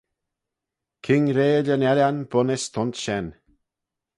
King-reill yn ellan bunnys t'ayns shen.